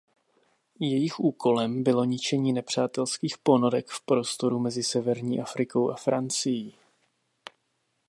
Jejich úkolem bylo ničení nepřátelských ponorek v prostoru mezi Severní Afrikou a Francií.